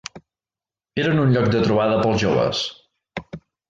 Eren un lloc de trobada per als joves.